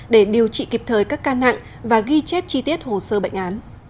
để điều trị kịp thời các ca nặng và ghi chép chi tiết hồ sơ bệnh án